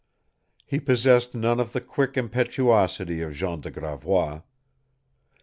He possessed none of the quick impetuosity of Jean de Gravois.